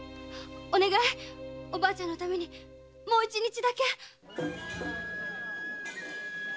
おばあちゃんのためにもう一日だけお願い！